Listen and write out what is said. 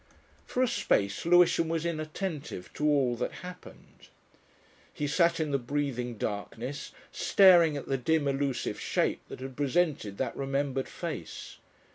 For a space Lewisham was inattentive to all that happened. He sat in the breathing darkness, staring at the dim elusive shape that had presented that remembered face.